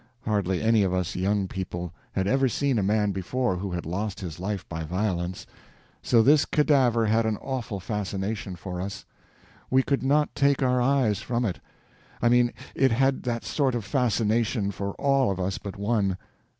Hardly any of us young people had ever seen a man before who had lost his life by violence; so this cadaver had an awful fascination for us; we could not take our eyes from it. I mean, it had that sort of fascination for all of us but one.